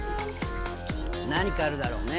何かあるだろうね